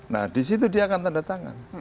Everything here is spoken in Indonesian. nah di situ dia akan tanda tangan